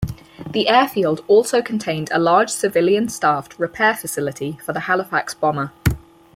The airfield also contained a large civilian staffed repair facility for the Halifax bomber.